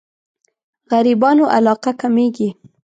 غريبانو علاقه کمېږي.